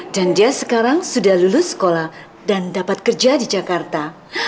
dan dia sekarang sudah lulus sekolah dan dapat kerja di jakarta